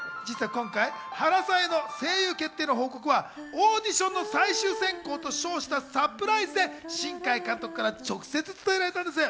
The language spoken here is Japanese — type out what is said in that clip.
こちら実は今回、原さんへの声優決定の報告はオーディションの最終選考と称したサプライズで新海監督から直接伝えられたんです。